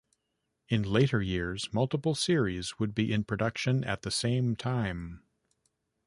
In later years, multiple series would be in production at the same time.